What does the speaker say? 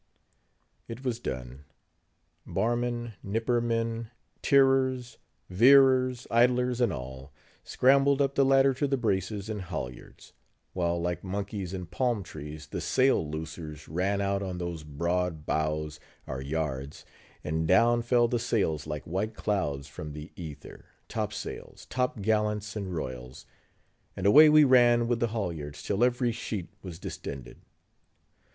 It was done: barmen, nipper men, tierers, veerers, idlers and all, scrambled up the ladder to the braces and halyards; while like monkeys in Palm trees, the sail loosers ran out on those broad boughs, our yards; and down fell the sails like white clouds from the ether—topsails, top gallants, and royals; and away we ran with the halyards, till every sheet was distended.